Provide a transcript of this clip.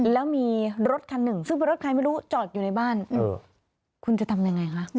แล้วมีรถคันหนึ่งซึ่งเป็นรถใครไม่รู้จอดอยู่ในบ้านคุณจะทำยังไงคะ